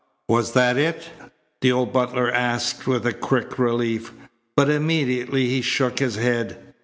"Was that it?" the old butler asked with a quick relief. But immediately he shook his head.